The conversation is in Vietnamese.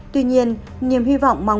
tuy nhiên niềm hy vọng là không